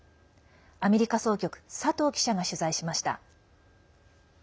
アメリカ総局佐藤記者が取材しました。